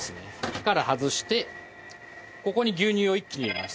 火から外してここに牛乳を一気に入れます。